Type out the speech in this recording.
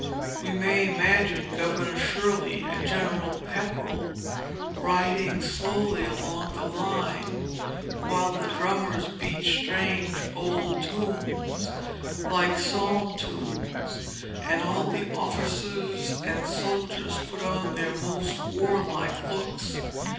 We may imagine Governor Shirley and General Pepperell riding slowly along the line, while the drummers beat strange old tunes, like psalm tunes, and all the officers and soldiers put on their most warlike looks.